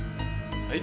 はい。